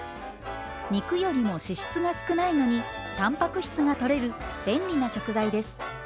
肉よりも脂質が少ないのにたんぱく質がとれる便利な食材です。